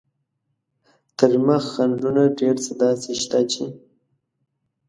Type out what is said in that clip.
تر مخ خنډونه ډېر څه داسې شته چې.